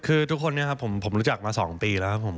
คือทุกคนเนี่ยครับผมรู้จักมา๒ปีแล้วครับผม